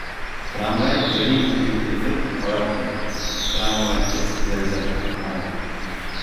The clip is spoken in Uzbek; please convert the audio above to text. Tramvay jiring-jiring etib oyoq ildi. Tramvaychi derazadan qaradi.